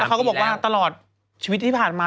เขาก็บอกว่าตลอดชีวิตที่ผ่านมา